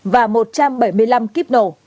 và một trăm bảy mươi năm kg thuốc nổ